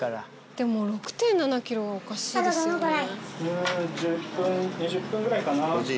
でも６．７ｋｇはおかしいですよね。